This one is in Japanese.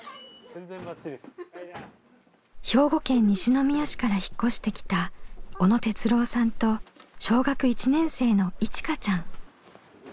兵庫県西宮市から引っ越してきた小野哲郎さんと小学１年生のいちかちゃん。